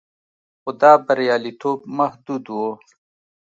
خو دا بریالیتوب محدود و